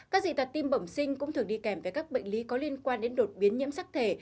các dị tật tim bẩm sinh cũng thường đi kèm với các bệnh lý có liên quan đến đột biến nhiễm sắc thể